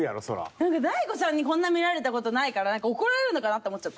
何か大悟さんにこんな見られた事ないから怒られるのかなと思っちゃって。